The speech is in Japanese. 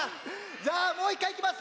じゃあもういっかいいきます。